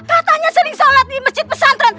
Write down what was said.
katanya sering sholat di masjid pesantren